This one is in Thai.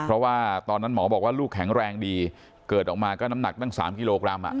เพราะว่าตอนนั้นหมอบอกว่าลูกแข็งแรงดีเกิดออกมาก็น้ำหนักตั้ง๓กิโลกรัม